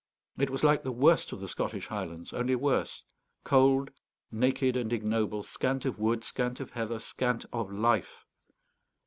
It was like the worst of the Scottish Highlands, only worse; cold, naked, and ignoble, scant of wood, scant of heather, scant of life.